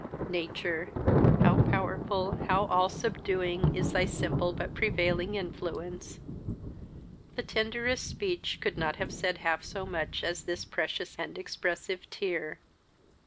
Nature, how powerful, how all subduing, is thy simple but prevailing influence! The tenderest speech could not have said half so much as this precious and expressive tear.